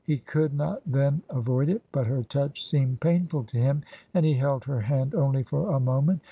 He could not then avoid it, but her touch seemed painful to him, and he held her hand only for a moment.